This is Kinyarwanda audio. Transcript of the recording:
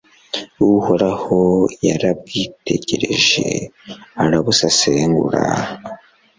uhoraho yarabwitegereje, arabusesengura